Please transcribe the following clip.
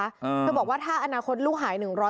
เธอบอกว่าถ้าอนาคตลูกหาย๑๐๐